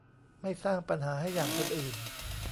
ไม่สร้างปัญหาให้อย่างคนอื่น